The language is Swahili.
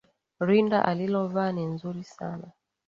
Rinda alilovaa ni nzuri sana